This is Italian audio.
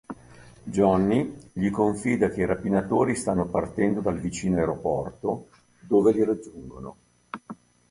Johnny gli confida che i rapinatori stanno partendo dal vicino aeroporto, dove li raggiungono.